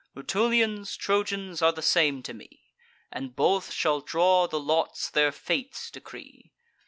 Rutulians, Trojans, are the same to me; And both shall draw the lots their fates decree.